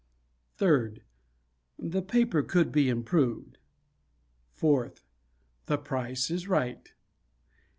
Third: The paper could be improved. Fourth: The price is right.